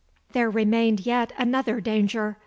There remained yet another danger.